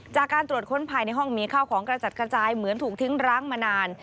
จากการตรวจค้นภายในห้องมีข้าวของกระจัดกระจายเหมือนถูกทิ้งร้างมานาน